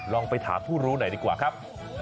ไปถามผู้รู้หน่อยดีกว่าครับ